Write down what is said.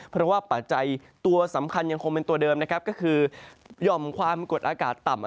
เพราะว่าปัจจัยตัวสำคัญยังคงเป็นตัวเดิมนะครับก็คือหย่อมความกดอากาศต่ำ